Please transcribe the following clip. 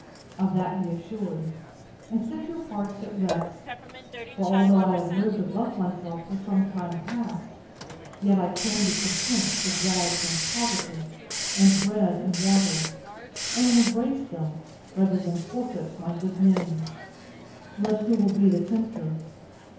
Of that be assured, and set your hearts at rest; for although I have lived above myself for some time past, yet I can be content with rags and poverty, and bread and water, and will embrace them, rather than forfeit my good name, let who will be the tempter.